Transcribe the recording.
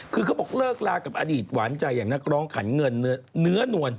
คือเขาบอกเลิกลากับอดีตหวานใจอย่างนักร้องขันเงินเนื้อนวล